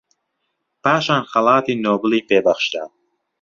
پاشان خەڵاتی نۆبێلی پێ بەخشرا